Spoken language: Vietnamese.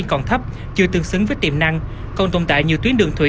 còn thấp chưa tương xứng với tiềm năng còn tồn tại nhiều tuyến đường thủy